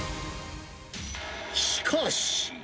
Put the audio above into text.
しかし。